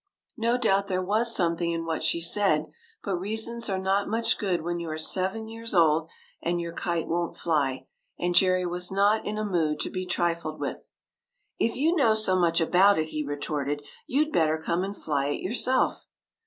No doubt there was something in what she said, but reasons are not much good when you are seven years old and your kite won't fly, and Jerry was not in a mood to be trifled with. " If you know so much about it," he retorted, " you 'd better come and fly it yourself."